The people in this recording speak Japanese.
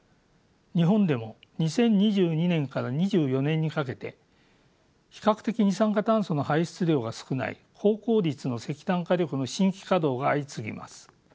日本でも２０２２年から２４年にかけて比較的二酸化炭素の排出量が少ない高効率の石炭火力の新規稼働が相次ぎます。